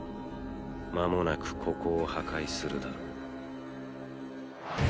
間もなくここを破壊するだろう。